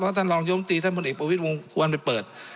ท่านรองยมตีท่านพลเอกประวิทย์วงควรไปเปิด